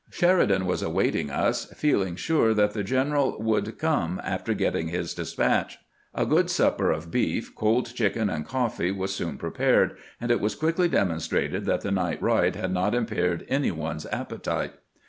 Sheridan was awaiting us, feeling sure that the general would come after getting his despatch. A good supper of beef, cold chicken, and coffee was soon prepared, and it was quickly demonstrated that the night ride had not im paired any one's appetite.